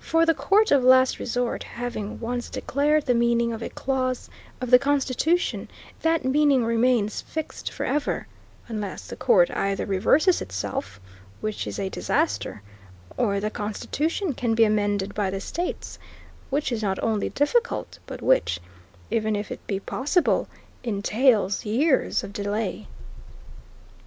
For the court of last resort having once declared the meaning of a clause of the Constitution, that meaning remains fixed forever, unless the court either reverses itself, which is a disaster, or the Constitution can be amended by the states, which is not only difficult, but which, even if it be possible, entails years of delay.